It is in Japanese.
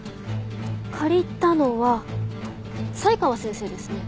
借りたのは才川先生ですね。